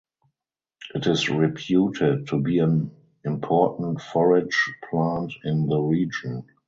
It is reputed to be an important forage plant in the region.